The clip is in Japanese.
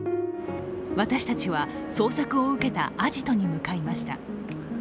私たちは捜索を受けたアジトに向かいました。